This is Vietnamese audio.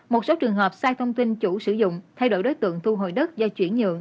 một số trường hợp sai thông tin chủ sử dụng thay đổi đối tượng thu hồi đất do chuyển nhượng